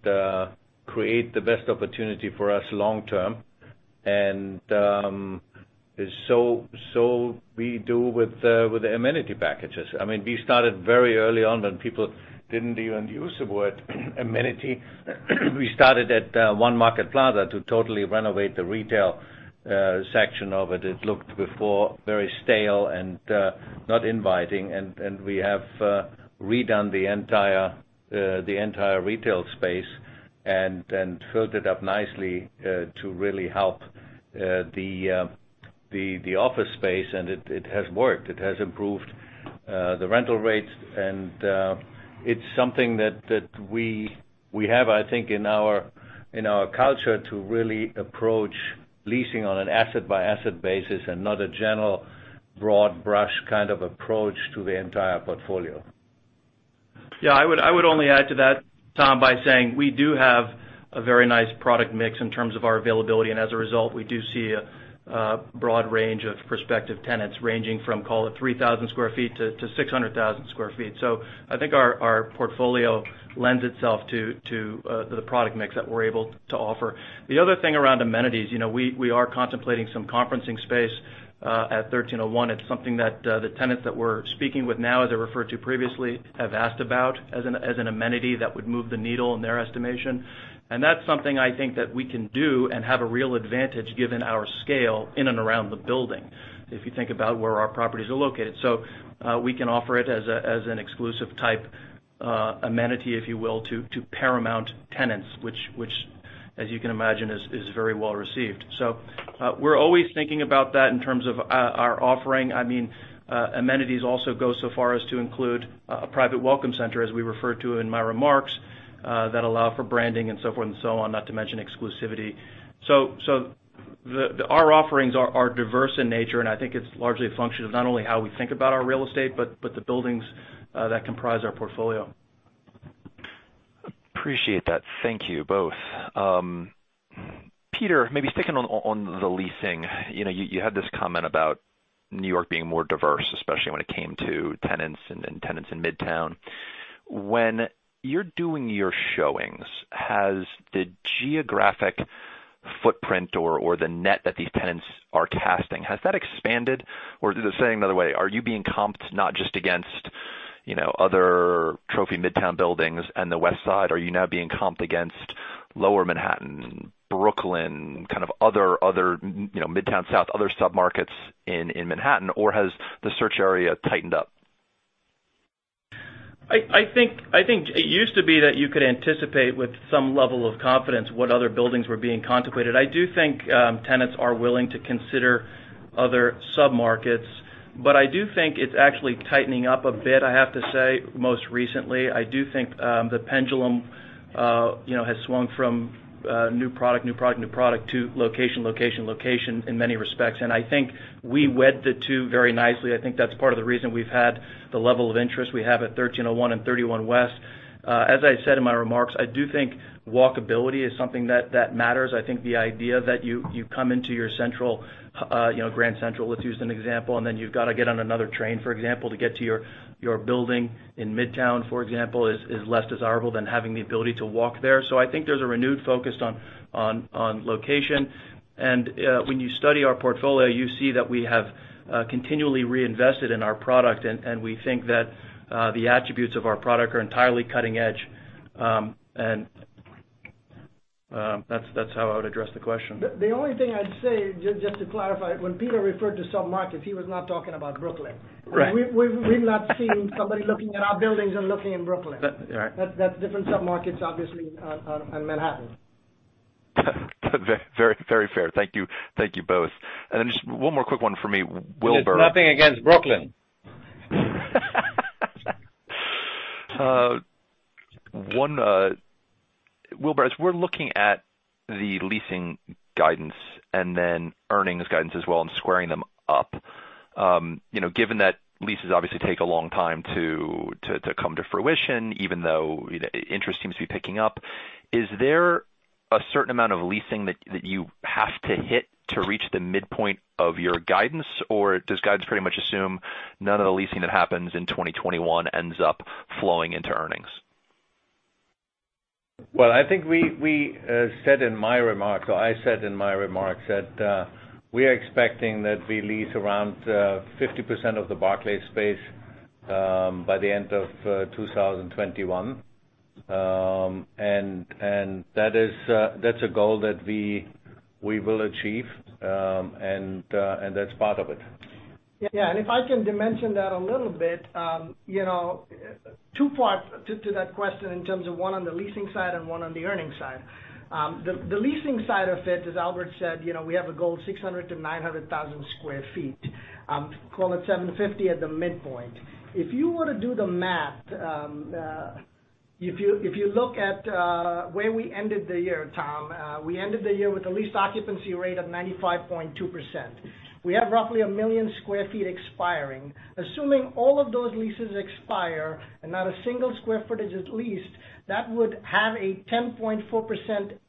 create the best opportunity for us long term. We do with the amenity packages. We started very early on when people didn't even use the word amenity. We started at One Market Plaza to totally renovate the retail section of it. It looked before very stale and not inviting, and we have redone the entire retail space and filled it up nicely, to really help the office space. It has worked. It has improved the rental rates, and it's something that we have, I think, in our culture to really approach leasing on an asset-by-asset basis and not a general broad brush kind of approach to the entire portfolio. Yeah, I would only add to that, Tom, by saying we do have a very nice product mix in terms of our availability, and as a result, we do see a broad range of prospective tenants, ranging from, call it 3,000 sq ft to 600,000 sq ft. I think our portfolio lends itself to the product mix that we're able to offer. The other thing around amenities, we are contemplating some conferencing space at 1301. It's something that the tenants that we're speaking with now, as I referred to previously, have asked about as an amenity that would move the needle in their estimation. That's something I think that we can do and have a real advantage given our scale in and around the building, if you think about where our properties are located. We can offer it as an exclusive type amenity, if you will, to Paramount tenants, which, as you can imagine, is very well received. We're always thinking about that in terms of our offering. Amenities also go so far as to include a private welcome center, as we referred to in my remarks, that allow for branding and so forth and so on, not to mention exclusivity. Our offerings are diverse in nature, and I think it's largely a function of not only how we think about our real estate, but the buildings that comprise our portfolio. Appreciate that. Thank you, both. Peter, maybe sticking on the leasing. You had this comment about New York being more diverse, especially when it came to tenants and then tenants in Midtown. When you're doing your showings, has the geographic footprint or the net that these tenants are casting, has that expanded? Just saying another way, are you being comped not just against other trophy Midtown buildings and the West Side? Are you now being comped against Lower Manhattan, Brooklyn, kind of other Midtown South, other sub-markets in Manhattan, or has the search area tightened up? I think it used to be that you could anticipate with some level of confidence what other buildings were being considered. I do think tenants are willing to consider other sub-markets, but I do think it's actually tightening up a bit, I have to say, most recently. I do think the pendulum has swung from new product, new product, new product, to location, location in many respects. I think we wed the two very nicely. I think that's part of the reason we've had the level of interest we have at 1301 and 31 West. As I said in my remarks, I do think walkability is something that matters. I think the idea that you come into your Grand Central, let's use an example, and then you've got to get on another train, for example, to get to your building in Midtown, for example, is less desirable than having the ability to walk there. I think there's a renewed focus on location. When you study our portfolio, you see that we have continually reinvested in our product, and we think that the attributes of our product are entirely cutting edge. That's how I would address the question. The only thing I'd say, just to clarify, when Peter referred to sub-markets, he was not talking about Brooklyn. Right. We've not seen somebody looking at our buildings and looking in Brooklyn. Right. That's different sub-markets, obviously, on Manhattan. Very fair. Thank you both. Just one more quick one for me. Wilbur. It's nothing against Brooklyn. One, Wilbur, as we're looking at the leasing guidance, earnings guidance as well and squaring them up. Given that leases obviously take a long time to come to fruition, even though interest seems to be picking up, is there a certain amount of leasing that you have to hit to reach the midpoint of your guidance? Does guidance pretty much assume none of the leasing that happens in 2021 ends up flowing into earnings? Well, I think we said in my remarks, or I said in my remarks, that we are expecting that we lease around 50% of the Barclays space by the end of 2021. That's a goal that we will achieve, and that's part of it. Yeah, if I can dimension that a little bit. Two parts to that question in terms of one on the leasing side and one on the earnings side. The leasing side of it, as Albert said, we have a goal of 600,000 sq ft-900,000 sq ft. Call it 750 at the midpoint. If you were to do the math, if you look at where we ended the year, Tom, we ended the year with the lease occupancy rate of 95.2%. We have roughly 1 million sq ft expiring. Assuming all of those leases expire and not a single square footage is leased, that would have a 10.4%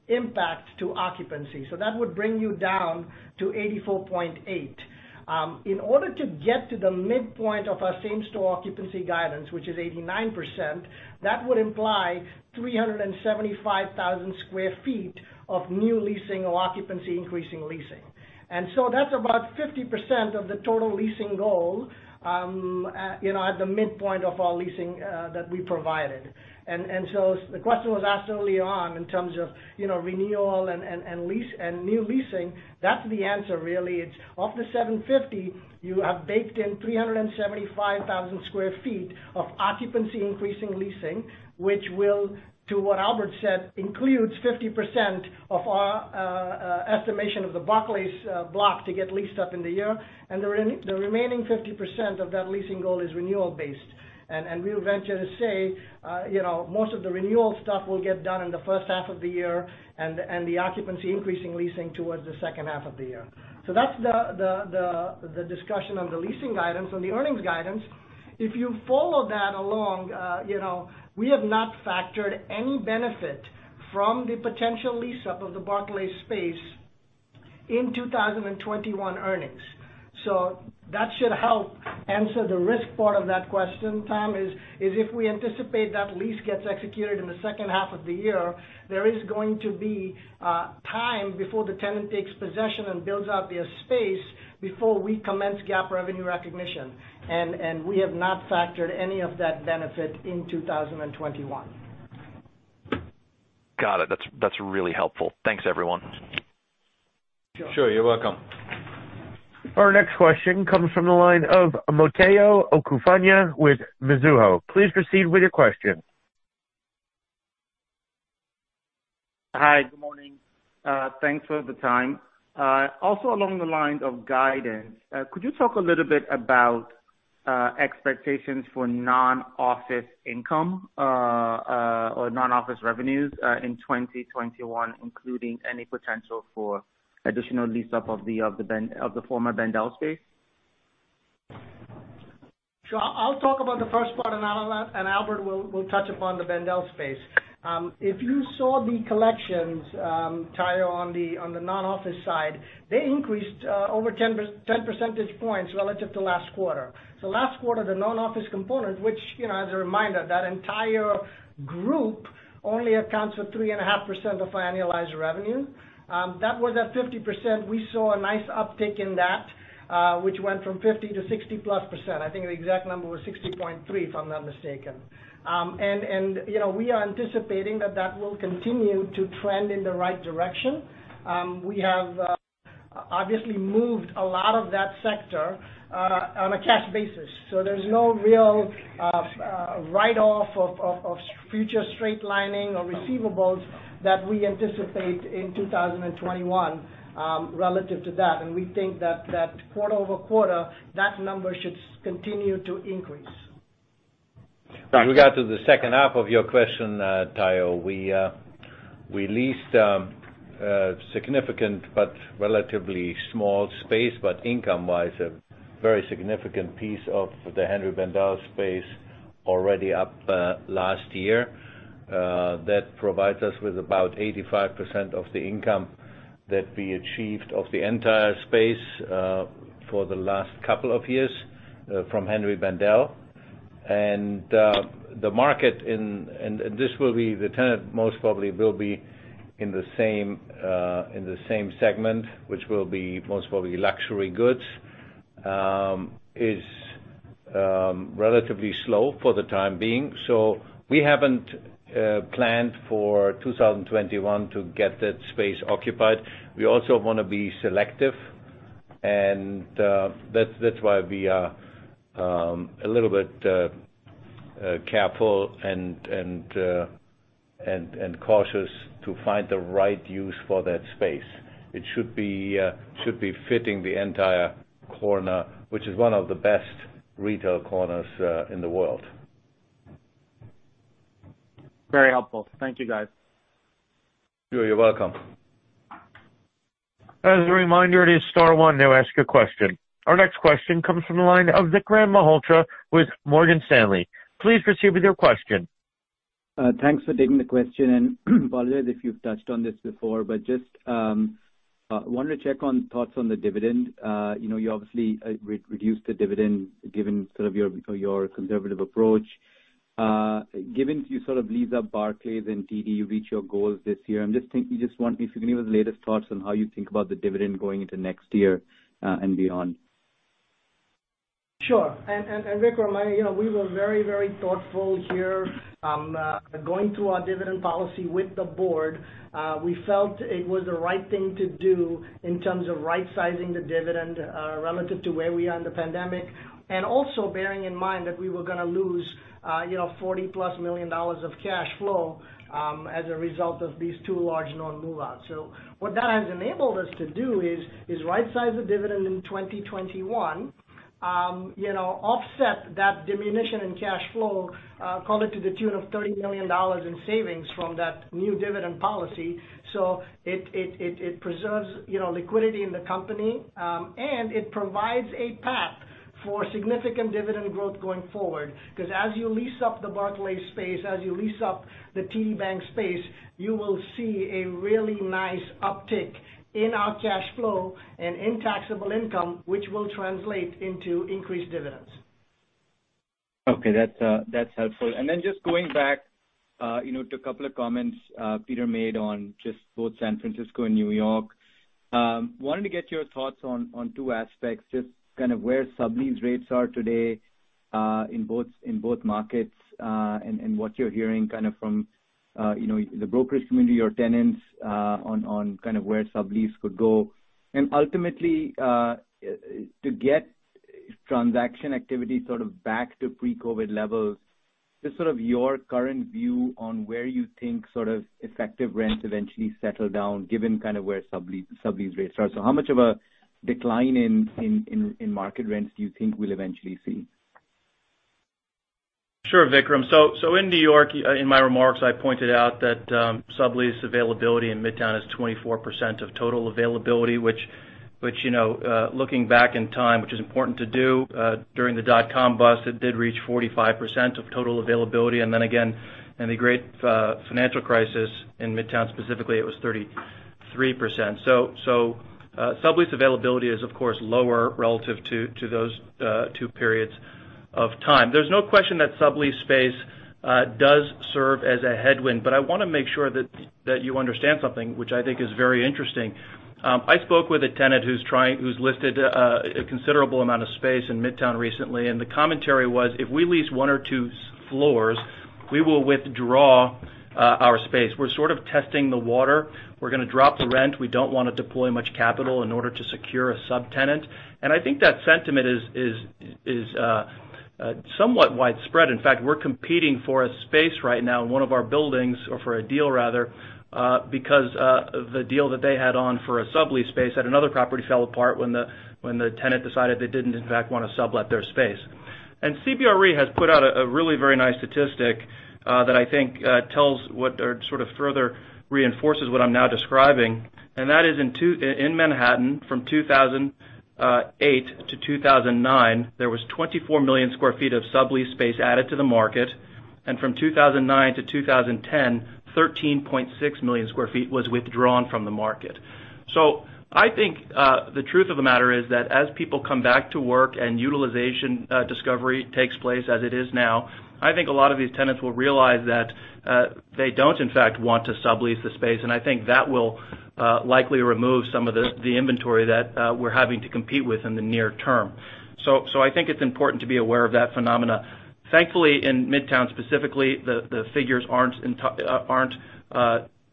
impact to occupancy. That would bring you down to 84.8%. In order to get to the midpoint of our same store occupancy guidance, which is 89%, that would imply 375,000 sq ft of new leasing or occupancy increasing leasing. That's about 50% of the total leasing goal at the midpoint of our leasing that we provided. The question was asked early on in terms of renewal and new leasing. That's the answer really. It's of the 750, you have baked in 375,000 square feet of occupancy increasing leasing, which will, to what Albert said, includes 50% of our estimation of the Barclays block to get leased up in the year. The remaining 50% of that leasing goal is renewal based. We'll venture to say most of the renewal stuff will get done in the first half of the year and the occupancy increasing leasing towards the second half of the year. That's the discussion on the leasing guidance. On the earnings guidance, if you follow that along, we have not factored any benefit from the potential lease-up of the Barclays space in 2021 earnings. That should help answer the risk part of that question, Tom, is if we anticipate that lease gets executed in the second half of the year, there is going to be time before the tenant takes possession and builds out their space before we commence GAAP revenue recognition. We have not factored any of that benefit in 2021. Got it. That's really helpful. Thanks, everyone. Sure. You're welcome. Our next question comes from the line of Omotayo Okusanya with Mizuho. Please proceed with your question. Hi. Good morning. Thanks for the time. Along the lines of guidance, could you talk a little bit about expectations for non-office income, or non-office revenues, in 2021, including any potential for additional lease up of the former Bendel space? Sure. I'll talk about the first part, and Albert will touch upon the Bendel space. If you saw the collections, Omotayo, on the non-office side, they increased over 10 percentage points relative to last quarter. Last quarter, the non-office component, which as a reminder, that entire group only accounts for 3.5% of our annualized revenue. That was at 50%. We saw a nice uptick in that, which went from 50%-60+%. I think the exact number was 60.3%, if I'm not mistaken. We are anticipating that that will continue to trend in the right direction. We have obviously moved a lot of that sector on a cash basis, so there's no real write-off of future straight lining or receivables that we anticipate in 2021, relative to that. We think that quarter-over-quarter, that number should continue to increase. With regard to the second half of your question, Omotayo, we leased a significant but relatively small space, but income wise, a very significant piece of the Henri Bendel space already up last year, that provides us with about 85% of the income that we achieved of the entire space for the last couple of years from Henri Bendel. The market, and the tenant most probably will be in the same segment, which will be most probably luxury goods, is relatively slow for the time being. We haven't planned for 2021 to get that space occupied. We also want to be selective, and that's why we are a little bit careful and cautious to find the right use for that space. It should be fitting the entire corner, which is one of the best retail corners in the world. Very helpful. Thank you guys. Sure. You're welcome. As a reminder, it is star one to ask a question. Our next question comes from the line of Vikram Malhotra with Morgan Stanley. Please proceed with your question. Thanks for taking the question. Peter, if you've touched on this before, but just wanted to check on thoughts on the dividend. You obviously reduced the dividend given your conservative approach. Given you sort of leased up Barclays and TD, you reached your goals this year. If you can give us the latest thoughts on how you think about the dividend going into next year, and beyond. Sure. Vikram, we were very thoughtful here going through our dividend policy with the board. We felt it was the right thing to do in terms of right-sizing the dividend relative to where we are in the pandemic. Also bearing in mind that we were going to lose $40+ million of cash flow as a result of these two large known move-outs. What that has enabled us to do is right-size the dividend in 2021, offset that diminution in cash flow, call it to the tune of $30 million in savings from that new dividend policy. It preserves liquidity in the company, and it provides a path for significant dividend growth going forward. As you lease up the Barclays space, as you lease up the TD Bank space, you will see a really nice uptick in our cash flow and in taxable income, which will translate into increased dividends. Okay. That's helpful. Just going back to a couple of comments Peter made on just both San Francisco and New York. Wanted to get your thoughts on two aspects, just kind of where sublease rates are today, in both markets, and what you're hearing from the brokerage community or tenants, on where sublease could go. Ultimately, to get transaction activity back to pre-COVID-19 levels, just your current view on where you think net effective rents eventually settle down given where sublease rates are. How much of a decline in market rents do you think we'll eventually see? Sure, Vikram. In New York, in my remarks, I pointed out that sublease availability in Midtown is 24% of total availability, which looking back in time, which is important to do, during the dot-com bust, it did reach 45% of total availability. Again, in the great financial crisis in Midtown specifically, it was 33%. Sublease availability is of course lower relative to those two periods of time. There's no question that sublease space does serve as a headwind, I want to make sure that you understand something, which I think is very interesting. I spoke with a tenant who's listed a considerable amount of space in Midtown recently, and the commentary was, if we lease one or two floors. We will withdraw our space. We're sort of testing the water. We're going to drop the rent. We don't want to deploy much capital in order to secure a sub-tenant. I think that sentiment is somewhat widespread. In fact, we're competing for a space right now in one of our buildings, or for a deal rather, because of the deal that they had on for a sublease space at another property fell apart when the tenant decided they didn't, in fact, want to sublet their space. CBRE has put out a really very nice statistic that I think further reinforces what I'm now describing. That is, in Manhattan from 2008 to 2009, there was 24 million sq ft of sublease space added to the market. From 2009 to 2010, 13.6 million sq ft was withdrawn from the market. I think, the truth of the matter is that as people come back to work and utilization discovery takes place as it is now, I think a lot of these tenants will realize that they don't, in fact, want to sublease the space, and I think that will likely remove some of the inventory that we're having to compete with in the near term. I think it's important to be aware of that phenomena. Thankfully, in Midtown specifically, the figures aren't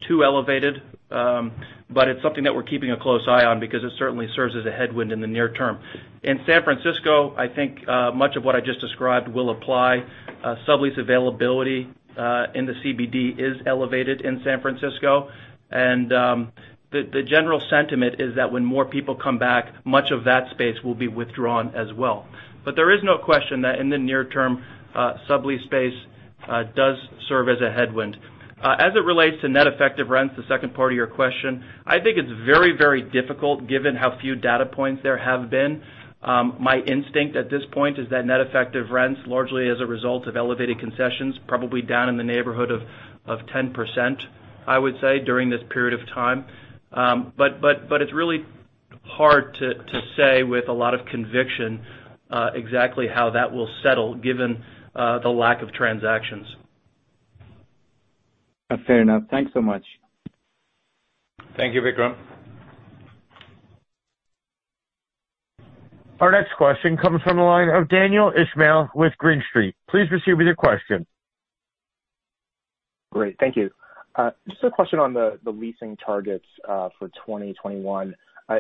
too elevated. It's something that we're keeping a close eye on because it certainly serves as a headwind in the near term. In San Francisco, I think much of what I just described will apply. Sublease availability in the CBD is elevated in San Francisco. The general sentiment is that when more people come back, much of that space will be withdrawn as well. There is no question that in the near term, sublease space does serve as a headwind. As it relates to net effective rents, the second part of your question, I think it's very, very difficult given how few data points there have been. My instinct at this point is that net effective rents, largely as a result of elevated concessions, probably down in the neighborhood of 10%, I would say, during this period of time. It's really hard to say with a lot of conviction exactly how that will settle, given the lack of transactions. Fair enough. Thanks so much. Thank you, Vikram. Our next question comes from the line of Daniel Ismail with Green Street. Please proceed with your question. Great. Thank you. Just a question on the leasing targets for 2021.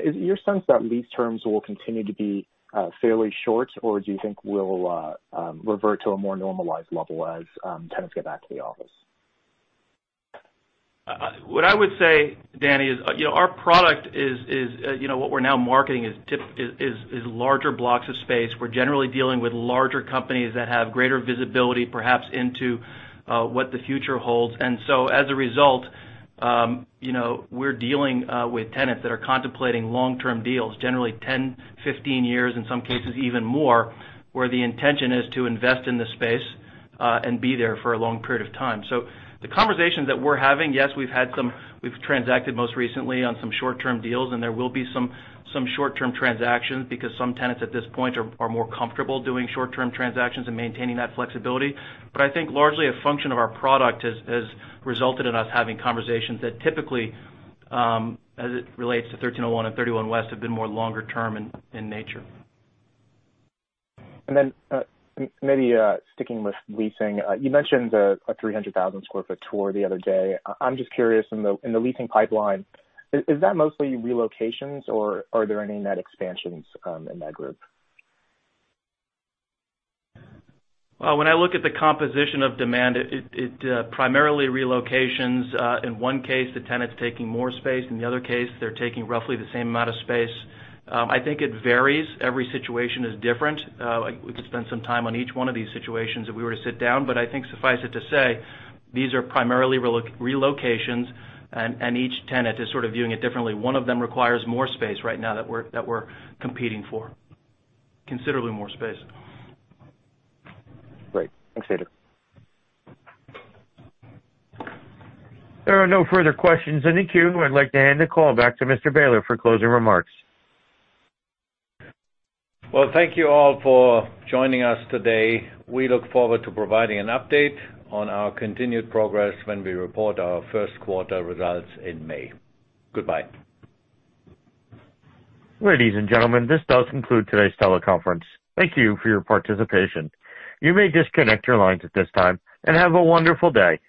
Is your sense that lease terms will continue to be fairly short, or do you think we'll revert to a more normalized level as tenants get back to the office? What I would say, Danny, is our product is what we're now marketing is larger blocks of space. We're generally dealing with larger companies that have greater visibility, perhaps, into what the future holds. As a result, we're dealing with tenants that are contemplating long-term deals, generally 10, 15 years, in some cases even more, where the intention is to invest in the space and be there for a long period of time. The conversations that we're having, yes, we've transacted most recently on some short-term deals, and there will be some short-term transactions because some tenants at this point are more comfortable doing short-term transactions and maintaining that flexibility. I think largely a function of our product has resulted in us having conversations that typically, as it relates to 1301 and 31 West, have been more longer term in nature. Maybe sticking with leasing. You mentioned the 300,000 sq ft tour the other day. I'm just curious, in the leasing pipeline, is that mostly relocations, or are there any net expansions in that group? Well, when I look at the composition of demand, it primarily relocations. In one case, the tenant's taking more space. In the other case, they're taking roughly the same amount of space. I think it varies. Every situation is different. We could spend some time on each one of these situations if we were to sit down. I think suffice it to say, these are primarily relocations, and each tenant is sort of viewing it differently. One of them requires more space right now that we're competing for. Considerably more space. Great. Thanks, Peter. There are no further questions in the queue. I'd like to hand the call back to Mr. Behler for closing remarks. Thank you all for joining us today. We look forward to providing an update on our continued progress when we report our first quarter results in May. Goodbye. Ladies and gentlemen, this does conclude today's teleconference. Thank you for your participation. You may disconnect your lines at this time, and have a wonderful day.